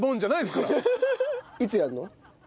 いつやるの？